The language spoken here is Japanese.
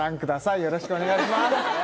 よろしくお願いします。